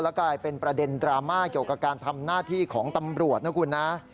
กลายเป็นประเด็นดราม่าเกี่ยวกับการทำหน้าที่ของตำรวจนะคุณนะ